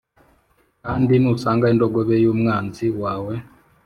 Kandi nusanga indogobe y umwanzi wawe